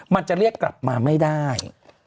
มันจะเรียกกลับมาไม่ได้